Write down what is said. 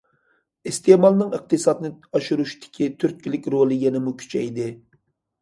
ئىستېمالنىڭ ئىقتىسادنى ئاشۇرۇشتىكى تۈرتكىلىك رولى يەنىمۇ كۈچەيدى.